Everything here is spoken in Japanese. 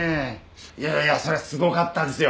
いやいやいやそりゃすごかったですよ。